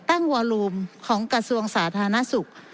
วอลูมของกระทรวงสาธารณสุข